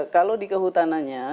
kalau di kehutanannya